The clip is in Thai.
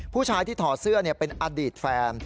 ผู้ชายที่ถอดเสื้อเป็นอดีตแฟน